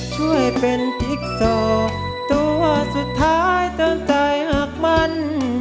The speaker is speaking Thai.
ช่วยเป็นพริกโสตัวสุดท้ายเติมใจหักมัน